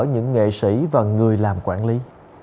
nghệ sĩ và người làm quản lý